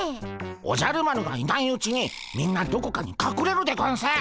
おじゃる丸がいないうちにみんなどこかにかくれるでゴンス。